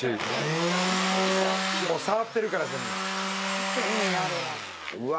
もう触ってるから全部。